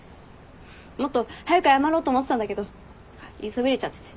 もっと早く謝ろうと思ってたんだけど言いそびれちゃってて。